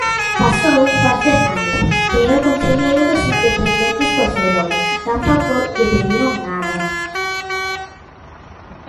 Pasou Juan Fernández que é concelleiro dos Independentes por Ferrol, tampouco lle pediron nada.